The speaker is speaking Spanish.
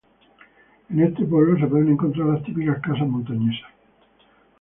En este pueblo se pueden encontrar las típicas casas montañesas.